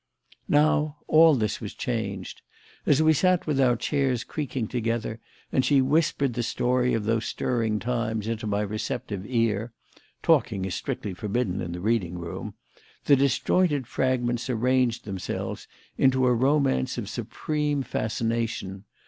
Now all this was changed. As we sat with our chairs creaking together and she whispered the story of those stirring times into my receptive ear talking is strictly forbidden in the reading room the disjointed fragments arranged themselves into a romance of supreme fascination.